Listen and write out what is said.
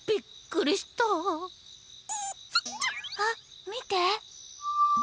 あっみて。